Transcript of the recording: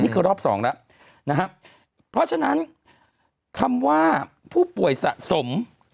รอบสองแล้วนะครับเพราะฉะนั้นคำว่าผู้ป่วยสะสม